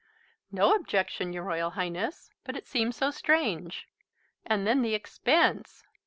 "No objection, your Royal Highness; but it seems so strange. And then the expense!